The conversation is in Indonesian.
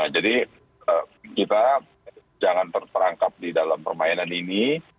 jadi kita jangan terperangkap di dalam permainan ini